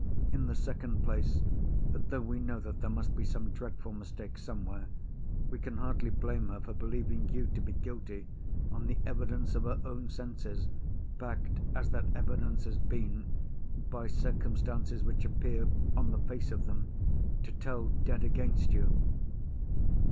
In the second place—though we know that there must be some dreadful mistake somewhere—we can hardly blame her for believing you to be guilty, on the evidence of her own senses; backed, as that evidence has been, by circumstances which appear, on the face of them, to tell dead against you."